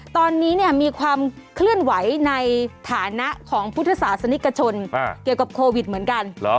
ตอนนี้มีความเคลื่อนไหวในฐานะของพุทธศาสนิกชนเกี่ยวกับโควิดเหมือนกัน